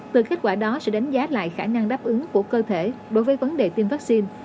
từ kết quả đó sẽ đánh giá lại khả năng đáp ứng của cơ thể đối với vấn đề tiêm vaccine